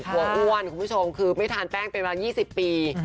อ้วนคุณผู้ชมคือไม่ทานแป้งเป็นมา๒๐ปี